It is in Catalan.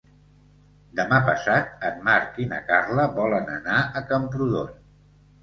Demà passat en Marc i na Carla volen anar a Camprodon.